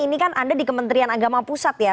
ini kan anda di kementerian agama pusat ya